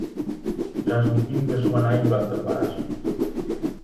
Transmitiullo a súa nai durante o embarazo.